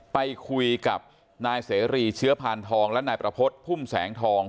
ไปคุยกับนายเสรีเชื้อพานทองและนายประพฤติพุ่มแสงทอง